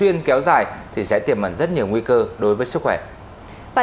hẹn gặp lại các bạn trong những video tiếp theo